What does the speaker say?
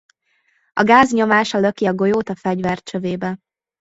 A gáz nyomása löki a golyót a fegyver csövébe.